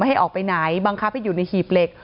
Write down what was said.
ให้ออกไปไหนบังคับให้อยู่ในหีบเหล็ก